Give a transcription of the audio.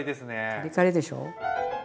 カリカリでしょう？